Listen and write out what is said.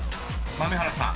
豆原さん